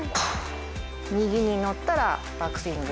右に乗ったらバックスイング。